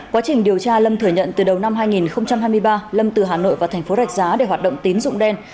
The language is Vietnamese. quá trình điều tra lâm thừa nhận từ đầu năm hai nghìn hai mươi ba lâm từ hà nội và tp rạch giá để hoạt động tín dụng đen